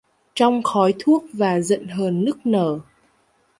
Trong khói thuốc và giận hờn nức nở